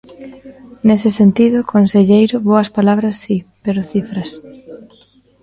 Nese sentido, conselleiro, boas palabras, si; pero cifras.